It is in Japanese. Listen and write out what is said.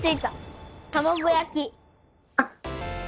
あっ！